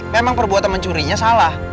memang perbuatan mencurinya salah